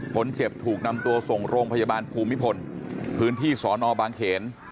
คนเจ็บถูกนำตัวส่งโรงพยาบาลภูมิพลพื้นที่สอนอบางเขน